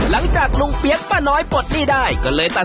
หัวกะทิต้องปรุงต้องอะไรไหมครับแม่